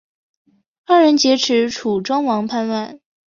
二人劫持楚庄王叛乱。